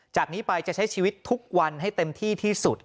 จากนี้ไปจะใช้ชีวิตทุกวันให้เต็มที่ที่สุด